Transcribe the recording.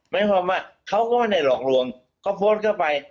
ไม่เป็นความมั่นเขาก็ได้หลอกหลวงเขาโพสต์เข้าไป